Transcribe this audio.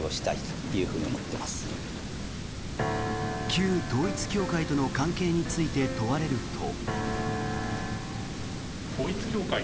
旧統一教会との関係について問われると。